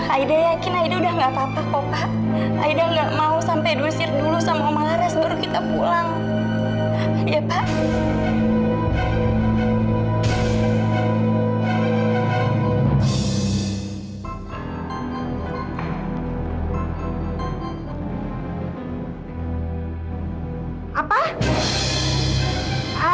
aida yakin aida udah gak apa apa kok pak